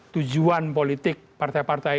tujuan politik partai partai